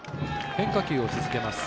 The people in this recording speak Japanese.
変化球を続けます。